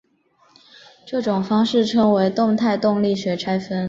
这种方法称为动态动力学拆分。